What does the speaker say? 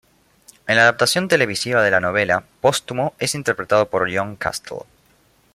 En la adaptación televisiva de la novela, Póstumo es interpretado por John Castle.